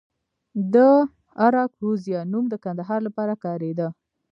د اراکوزیا نوم د کندهار لپاره کاریده